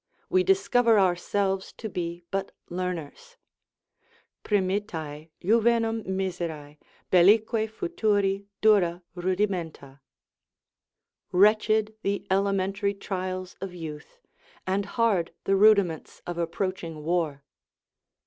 We discover ourselves to be but learners: "Primitae juvenum miserae, bellique futuri Dura rudimenta." ["Wretched the elementary trials of youth, and hard the rudiments of approaching war."